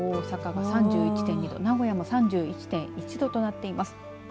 そして、大阪が３１．２度名古屋も３１．１度となっています。